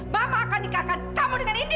mama akan nikahkan kamu dengan ini